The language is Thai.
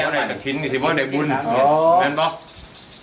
กระทินก็จะได้บุญ